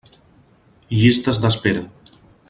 Llistes d'espera.